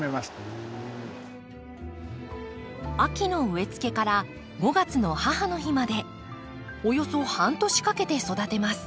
秋の植えつけから５月の母の日までおよそ半年かけて育てます。